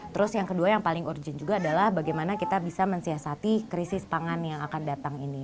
terus yang kedua yang paling urgent juga adalah bagaimana kita bisa mensiasati krisis pangan yang akan datang ini